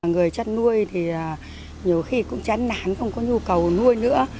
người chăn nuôi thì nhiều khi cũng chán nản không có nhu cầu nuôi nữa